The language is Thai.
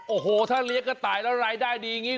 โอ้โหถ้าเลี้ยงกระต่ายแล้วรายได้ดีอย่างนี้